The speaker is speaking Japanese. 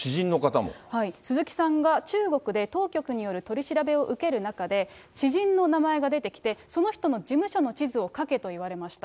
鈴木さんが中国で当局による取り調べを受ける中で、知人の名前が出てきて、その人の事務所の地図を描けと言われました。